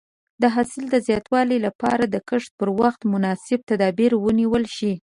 د حاصل د زیاتوالي لپاره د کښت پر وخت مناسب تدابیر ونیول شي.